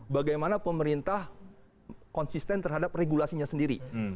bagaimana pemerintah konsisten terhadap regulasinya sendiri